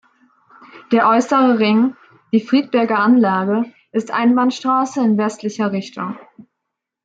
Der äußere Ring, die Friedberger Anlage, ist Einbahnstraße in westlicher Richtung.